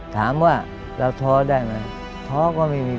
ถามว่าเราท้อได้ไหม